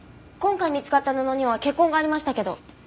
今回見つかった布には血痕がありましたけど。